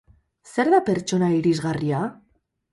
Zer da pertsona irisgarria?